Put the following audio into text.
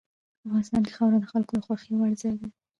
افغانستان کې خاوره د خلکو د خوښې وړ ځای دی.